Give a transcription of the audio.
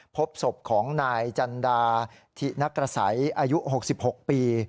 พบศพของนายจันดาธินักกระสัยอายุ๖๖ปี